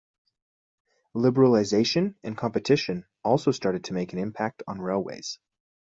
Liberalisation and competition also started to make an impact on railways.